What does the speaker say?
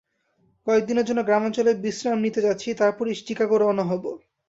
কয়েকদিনের জন্য গ্রামাঞ্চলে বিশ্রাম নিতে যাচ্ছি, তারপরই চিকাগো রওনা হব।